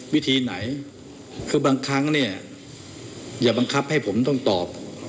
วิธีไหนคือบางครั้งเนี่ยอย่าบังคับให้ผมต้องตอบ